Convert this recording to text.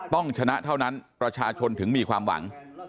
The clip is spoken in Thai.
ต้องชนะเท่านั้นประชาชนถึงมีความหวัง